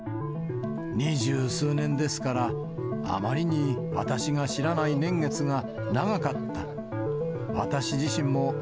二十数年ですから、あまりに私が知らない年月が長かった。